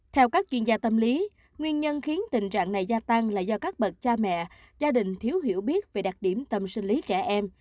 theo các chuyên gia tâm lý nguyên nhân khiến tình trạng này gia tăng là do các bậc cha mẹ gia đình thiếu hiểu biết về đặc điểm tâm sinh lý trẻ em